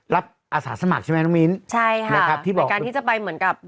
อาสาสมัครใช่ไหมน้องมิ้นใช่ค่ะนะครับที่บอกในการที่จะไปเหมือนกับ